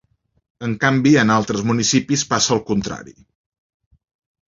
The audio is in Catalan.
En canvi, en altres municipis passa al contrari.